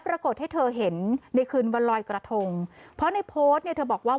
ปรากฏให้เธอเห็นในคืนวันลอยกระทงเพราะในโพสต์เนี่ยเธอบอกว่า